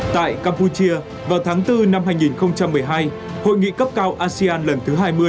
tại campuchia vào tháng bốn năm hai nghìn một mươi hai hội nghị cấp cao asean lần thứ hai mươi